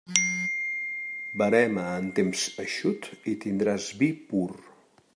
Verema en temps eixut i tindràs vi pur.